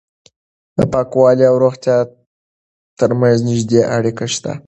د پاکوالي او روغتیا ترمنځ نږدې اړیکه شته.